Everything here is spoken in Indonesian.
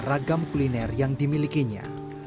ragam kuliner yang dimilikinya